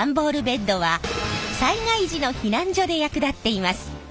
ベッドは災害時の避難所で役立っています。